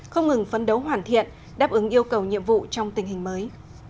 không ngừng phấn đấu hoàn thiện đáp ứng yêu cầu nhiệm vụ trong tình hình mới